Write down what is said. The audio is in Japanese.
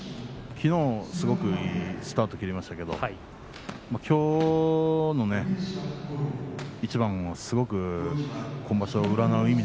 きのう、すごくいいスタートを切りましたけれどきょうのね、一番をすごく今場所、占う